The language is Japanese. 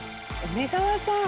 梅澤さん